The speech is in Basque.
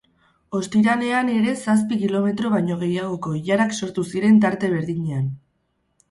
Ostiralean ere zazpi kilometro baino gehiagoko ilarak sortu ziren tarte berdinean.